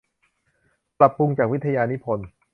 ปรับปรุงจากวิทยานิพนธ์